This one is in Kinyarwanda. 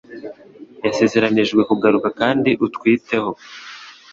Yasezeranijwe kugaruka Kandi utwiteho